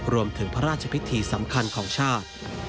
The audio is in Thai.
รวมถึงพระราชพิธีสำคัญของชาติ